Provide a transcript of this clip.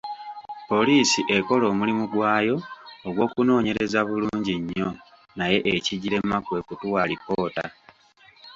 Poliisi ekola omulimu gwayo ogw'okunoonyereza bulungi nnyo, naye ekigirema kwe kutuwa alipoota.